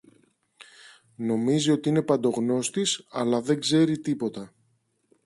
Νομίζει ότι είναι παντογνώστης, αλλά δεν ξέρει τίποτα!